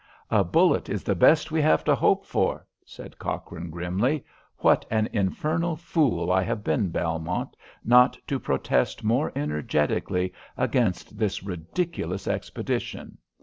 "A bullet is the best we have to hope for," said Cochrane, grimly. "What an infernal fool I have been, Belmont, not to protest more energetically against this ridiculous expedition!